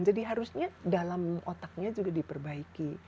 harusnya dalam otaknya juga diperbaiki